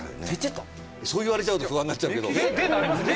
そう言われちゃうと不安になっちゃうけど。